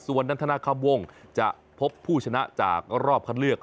ส่วนนันทนาคำวงจะพบผู้ชนะจากรอบคัดเลือก